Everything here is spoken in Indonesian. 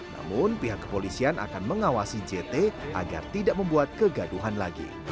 namun pihak kepolisian akan mengawasi jt agar tidak membuat kegaduhan lagi